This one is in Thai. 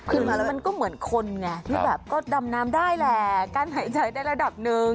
ขึ้นมาแล้วมันก็เหมือนคนไงที่แบบก็ดำน้ำได้แหละกั้นหายใจได้ระดับหนึ่ง